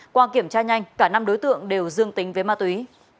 qua kiểm tra nhanh cả năm đối tượng đều dương tính với ma túy